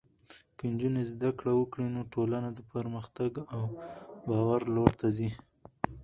که نجونې زده کړه وکړي، نو ټولنه د پرمختګ او باور لور ته ځي.